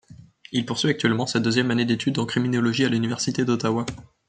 Il poursuit actuellement sa deuxième année d’études en criminologie à l’Université d'Ottawa.